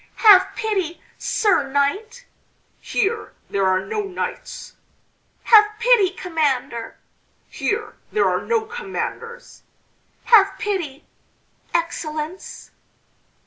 "Have pity, Sir Knight!" "Here there are no knights!" "Have pity, Commander!" "Here there are no commanders!" "Have pity, Excellence!"